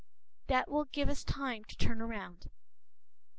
That will give us time to turn around.